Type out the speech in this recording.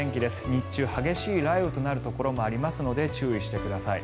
日中、激しい雷雨となるところもありますので注意してください。